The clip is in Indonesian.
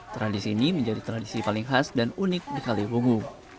tradisi ini menjadi tradisi paling khas dan unik di kaliwungu